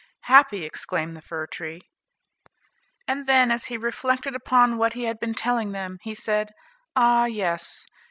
"Happy!" exclaimed the fir tree, and then as he reflected upon what he had been telling them, he said, "Ah, yes!